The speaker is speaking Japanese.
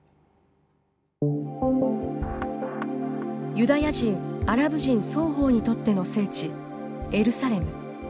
ユダヤ人、アラブ人双方にとっての聖地、エルサレム。